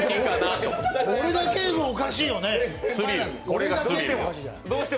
俺だけはおかしいよね。